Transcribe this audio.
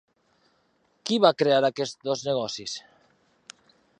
Qui va crear aquests dos negocis?